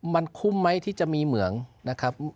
มันคุ้มไหมที่จะมีเหมืองนะครับ